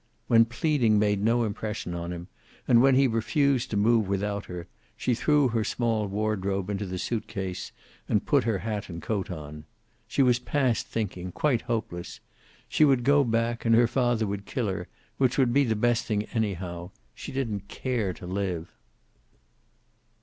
When pleading made no impression on him, and when he refused to move without her, she threw her small wardrobe into the suitcase, and put her hat and coat on. She was past thinking, quite hopeless. She would go back, and her father would kill her, which would be the best thing anyhow; she didn't care to live.